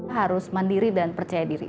harus mandiri dan percaya diri